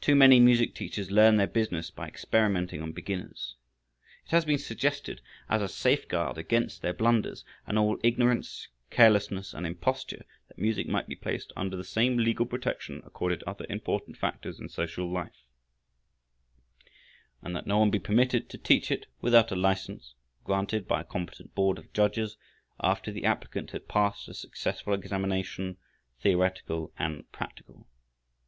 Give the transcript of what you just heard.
Too many music teachers learn their business by experimenting on beginners. It has been suggested as a safeguard against their blunders, and all ignorance, carelessness and imposture, that music might be placed under the same legal protection accorded other important factors in social life, and that no one be permitted to teach it without a license granted by a competent board of judges after the applicant had passed a successful examination, theoretical and practical.